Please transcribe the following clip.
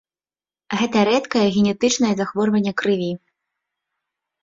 Гэта рэдкае генетычнае захворванне крыві.